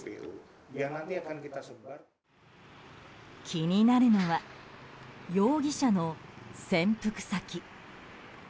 気になるのは容疑者の潜伏先。